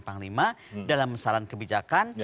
panglima dalam mesaran kebijakan